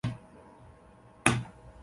现在住在横滨市。